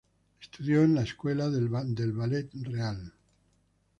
Estudió en la Escuela del Ballet Real.